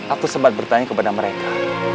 aku sempat bertanya kepada mereka